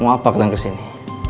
mau apa keliatan kesini